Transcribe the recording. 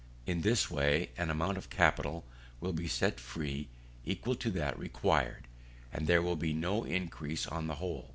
In this way an amount of capital will be set free equal to that required, and there will be no increase on the whole.